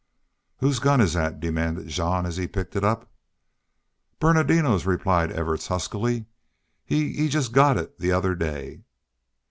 "Whose gun is that?" demanded Jean, as he picked it up. "Ber nardino's," replied Evarts, huskily. "He he jest got it the other day."